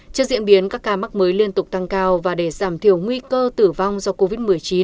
trước diễn biến các ca mắc mới liên tục tăng cao và để giảm thiểu nguy cơ tử vong do covid một mươi chín